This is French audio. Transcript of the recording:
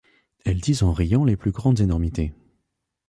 Elles disent en riant les plus grandes énormités.